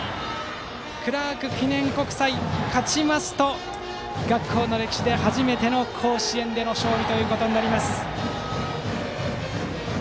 クラーク記念国際、勝ちますと学校の歴史で初めての甲子園での勝利。